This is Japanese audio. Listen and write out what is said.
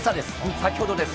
先ほどです。